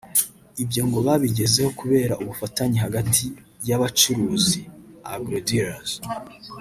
Ibyo ngo babigezeho kubera ubufatanye hagati y’abacuruzi (agrodealers)